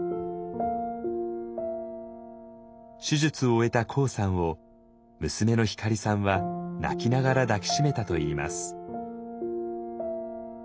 手術を終えたＫＯＯさんを娘のひかりさんは泣きながら抱き締めたといいます。